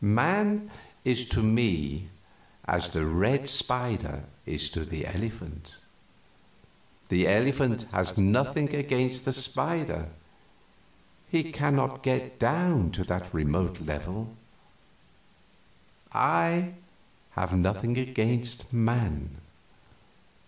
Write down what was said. Man is to me as the red spider is to the elephant. The elephant has nothing against the spider he cannot get down to that remote level; I have nothing against man.